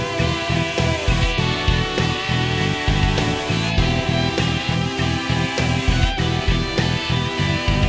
sekarang eclipse sendiri ngurus dari vey